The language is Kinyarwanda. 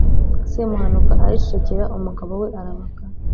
semuhanuka aricecekera, umugabo we arabaga